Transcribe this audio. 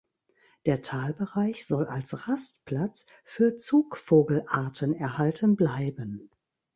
Der Talbereich soll als Rastplatz für Zugvogelarten erhalten bleiben.